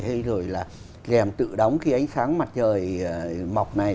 hay rồi là kèm tự đóng khi ánh sáng mặt trời mọc này